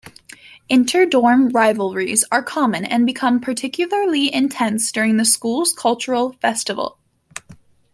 Inter-dorm rivalries are common and become particularly intense during the school's cultural festival.